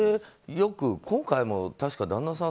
今回も確か旦那さん